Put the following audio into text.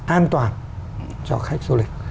an toàn cho khách du lịch